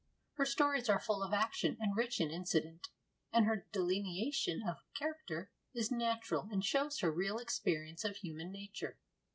Her stories are full of action and rich in incident, and her delineation of character is natural and shows her real experience of human nature.